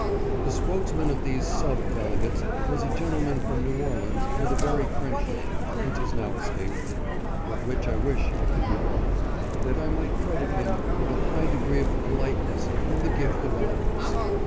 The spokesman of these sub delegates was a gentleman from New Orleans with a very French name, which has now escaped me, but which I wish I could recall, that I might credit him with a high degree of politeness and the gift of eloquence.